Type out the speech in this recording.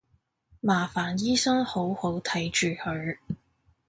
麻煩醫生好好睇住佢